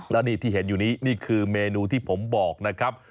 แล้วนี่ที่เห็นอยู่นี้นี่คือเมนูที่ผมบอกนะครับ